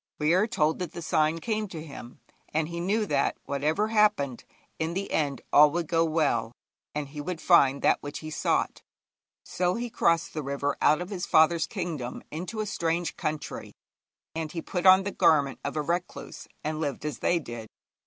We are told that the sign came to him, and he knew that, whatever happened, in the end all would go well, and he would find that which he sought. So he crossed the river out of his father's kingdom into a strange country, and he put on the garment of a recluse, and lived as they did.